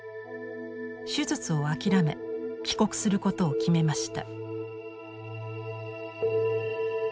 手術を諦め帰国することを決めました。